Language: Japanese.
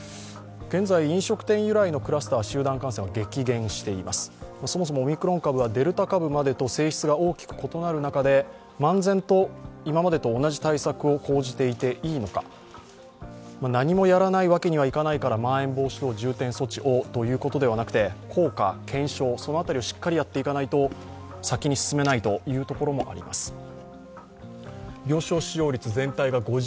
現在、飲食店由来のクラスターは激減しています、そもそもオミクロン株はデルタ株までと性質が大きく異なる中で漫然と、今までと同じ対策を講じていていいのか、何もやらないわけにはいかないからまん延防止等重点措置をということではなくて効果、検証、その辺りをしっかりやっていかないと先に進めないというところもあります。